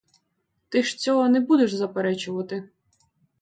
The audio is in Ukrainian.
Ти ж цього не будеш заперечувати.